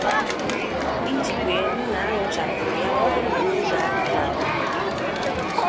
iji wee hụ na a rụchàpụrụ ya bụ ọrụ n'oge a kara àkà.